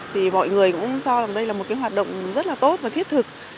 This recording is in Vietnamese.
thì mọi người cũng cho rằng đây là một cái hoạt động rất là tốt và thiết thực